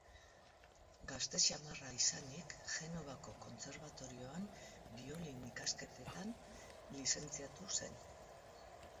Gazte xamarra izanik Genovako kontserbatorioan biolin ikasketetan lizentziatu zen.